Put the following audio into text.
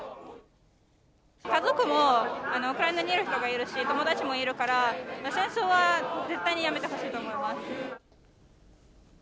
家族もウクライナにいる人がいるし、友達もいるから、戦争は絶対にやめてほしいと思います。